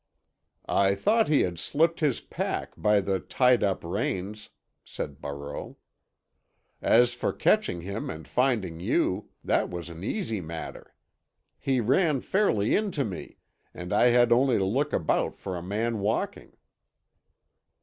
"I thought he had slipped his pack, by the tied up reins," said Barreau. "As for catching him and finding you, that was an easy matter. He ran fairly into me, and I had only to look about for a man walking."